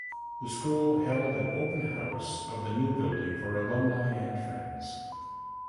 The school held an Open House of the New Building for Alumni and friends.